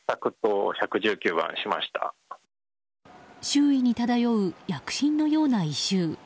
周囲に漂う薬品のような異臭。